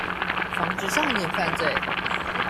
防治少年犯罪